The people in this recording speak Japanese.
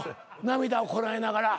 涙をこらえながら。